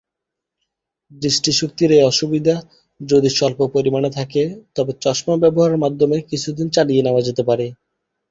দৃষ্টি শক্তির এই অসুবিধা যদি স্বল্প পরিমানে থাকে, তবে চশমা ব্যবহারের মাধ্যমে কিছুদিন চালিয়ে নেয়া যেতে পারে।